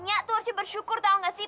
nya tuh harus bersyukur tau ga sih